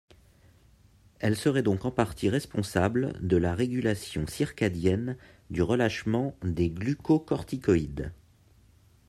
Elle serait donc en partie responsable de la régulation circadienne du relâchement des glucocorticoïdes.